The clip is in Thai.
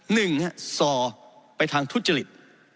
หนึ่งฮะซ่อไปทางทุจริต